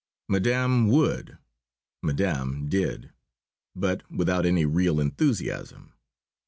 Madame would. Madame did. But without any real enthusiasm.